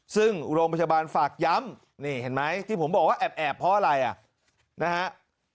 ซึ่งโรงพยาบาลฝากย้ำที่ผมบอกว่าแอบเพราะอะไร